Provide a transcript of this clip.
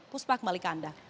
puspa kembali ke anda